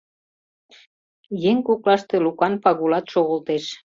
Еҥ коклаште Лукан Пагулат шогылтеш.